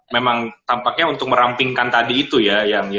memang tampaknya untuk merampingkan tadi itu ya